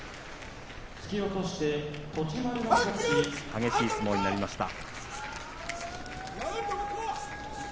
激しい相撲になりました。